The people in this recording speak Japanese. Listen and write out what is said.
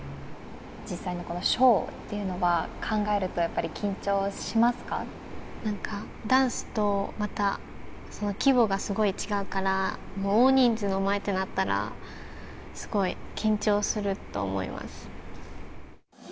実際にこのショーっていうのは、考えると、なんか、ダンスとまたその規模がすごい違うから、もう大人数の前となったら、すごい緊張すると思います。